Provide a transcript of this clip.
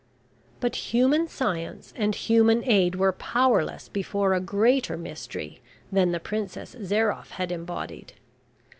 But human science and human aid were powerless before a greater Mystery than the Princess Zairoff had embodied.